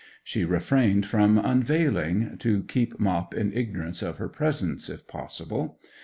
She refrained from unveiling, to keep Mop in ignorance of her presence, if possible.